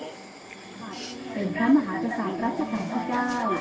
เป็นครับมหาภาษารัฐศาสตร์๑๙